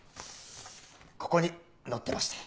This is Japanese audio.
ここに載ってまして。